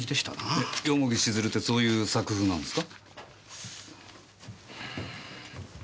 蓬城静流ってそういう作風なんですか？